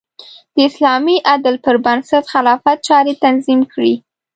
د اسلامي عدل پر بنسټ خلافت چارې تنظیم کړې.